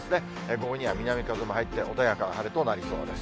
五戸には南風も入って穏やかな晴れとなりそうです。